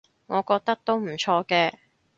我覺得都唔錯嘅